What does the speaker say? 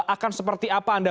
akan seperti apa anda